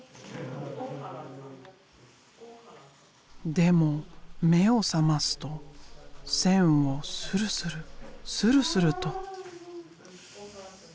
でも目を覚ますと線をスルスルスルスルと。